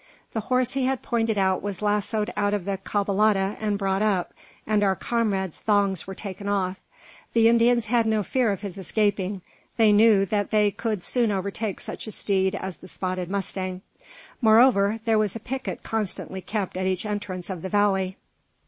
The horse he had pointed out was lassoed out of the caballada and brought up, and our comrade's thongs were taken off. The Indians had no fear of his escaping. They knew that they could soon overtake such a steed as the spotted mustang; moreover, there was a picket constantly kept at each entrance of the valley.